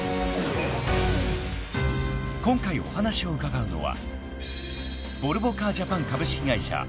［今回お話を伺うのは］